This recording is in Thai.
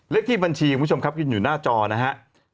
เลขที่บัญชีคุณผู้ชมครับยืนอยู่หน้าจอนะฮะ